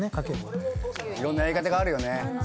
いろんなやり方があるよね。